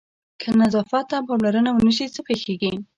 که نظافت ته پاملرنه ونه شي څه پېښېږي؟